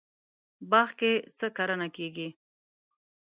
باغ کې څه کرنه کیږي؟